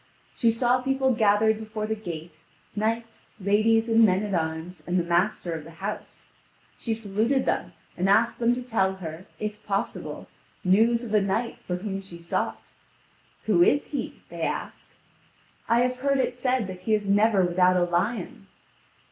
She saw people gathered before the gate, knights, ladies and men at arms, and the master of the house; she saluted them, and asked them to tell her, if possible, news of a knight for whom she sought. "Who is he?" they ask. "I have heard it said that he is never without a lion."